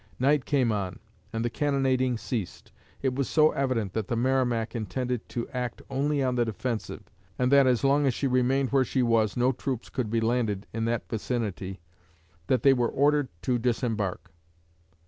Night came on, and the cannonading ceased. It was so evident that the 'Merrimac' intended to act only on the defensive, and that as long as she remained where she was no troops could be landed in that vicinity, that they were ordered to disembark.